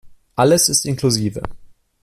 Alles ist inklusive.